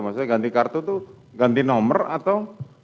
maksudnya ganti kartu itu ganti nomor atau